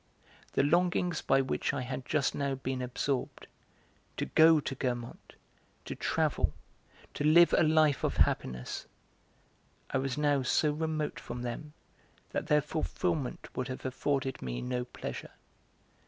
The longings by which I had just now been absorbed, to go to Guermantes, to travel, to live a life of happiness I was now so remote from them that their fulfilment would have afforded me no pleasure.